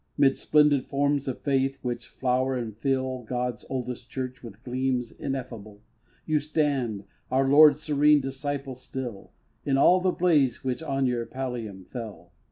'Mid splendid forms of faith which flower and fill God's oldest Church with gleams ineffable You stand, Our Lord's serene disciple still, In all the blaze which on your pallium fell.